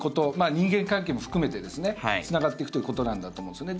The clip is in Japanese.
人間関係も含めてつながっていくということだと思うんですね。